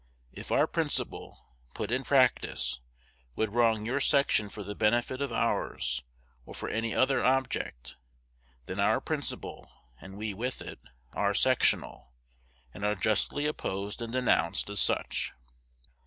If our principle, put in practice, would wrong your section for the benefit of ours, or for any other object, then our principle, and we with it, are sectional, and are justly opposed and denounced as such.